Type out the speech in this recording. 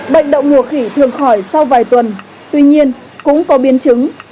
bệnh đậu mùa khỉ thường khỏi sau vài tuần tuy nhiên cũng có biến chứng